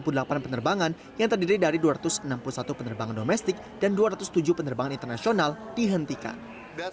ada delapan penerbangan yang terdiri dari dua ratus enam puluh satu penerbangan domestik dan dua ratus tujuh penerbangan internasional dihentikan